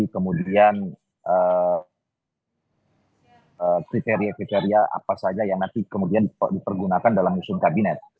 kemudian kriteria kriteria apa saja yang nanti kemudian dipergunakan dalam musuh kabinet